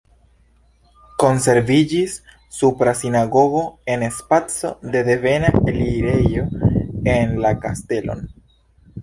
Konserviĝis supra sinagogo en la spaco de devena alirejo en la kastelon.